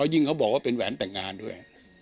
ยิ่งเขาบอกว่าเป็นแหวนแต่งงานด้วย